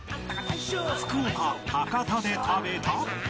福岡博多で食べた